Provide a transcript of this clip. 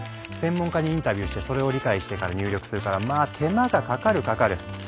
専門家にインタビューしてそれを理解してから入力するからまあ手間がかかるかかる。